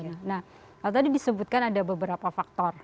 nah kalau tadi disebutkan ada beberapa faktor